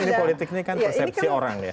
ini politiknya kan persepsi orang ya